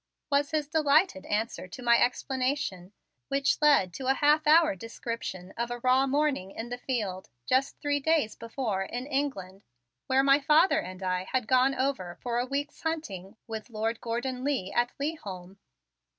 was his delighted answer to my explanation, which led into a half hour description of a raw morning in the field just three days before in England, where my father and I had gone over for a week's hunting with Lord Gordon Leigh at Leigholm.